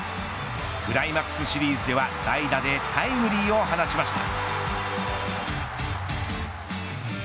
クライマックスシリーズでは代打でタイムリーを放ちました。